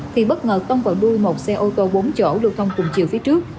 thì bất ngờ tông vào đuôi một xe ô tô bốn chỗ lưu thông cùng chiều phía trước